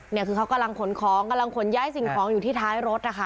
เนี่ยคือเขากำลังขนของกำลังขนย้ายสิ่งของอยู่ที่ท้ายรถนะคะ